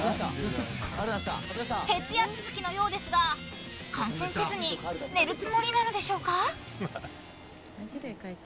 徹夜続きのようですが観戦せずに寝るつもりなのでしょうか。